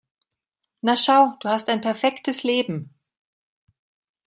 Na schau, du hast ein perfektes Leben.